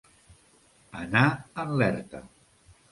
Anar en l'erta.